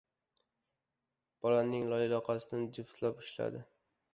Bolaning loy yoqasidan juftlab ushladi.